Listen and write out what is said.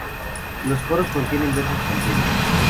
Los coros contienen versos con rima.